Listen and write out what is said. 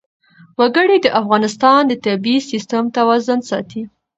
وګړي د افغانستان د طبعي سیسټم توازن ساتي.